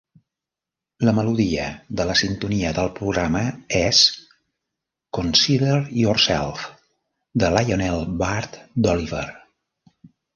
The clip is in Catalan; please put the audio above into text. La melodia de la sintonia del programa és "Consider Yourself" de Lionel Bart d'Oliver!